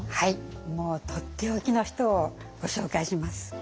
もうとっておきの人をご紹介します。